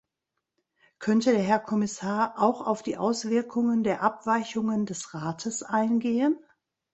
Könnte der Herr Kommissar auch auf die Auswirkungen der Abweichungen des Rates eingehen?